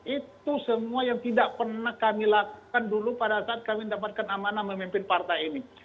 itu semua yang tidak pernah kami lakukan dulu pada saat kami mendapatkan amanah memimpin partai ini